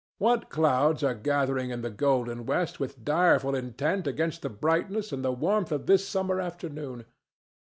What clouds are gathering in the golden west with direful intent against the brightness and the warmth of this summer afternoon?